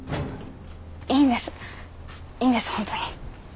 いいんですいいんです本当に。